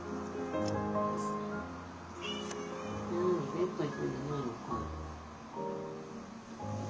ベッド行くんじゃないのかい。